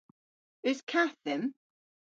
Eus kath dhymm?